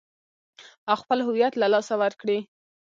او خپل هويت له لاسه ور کړي .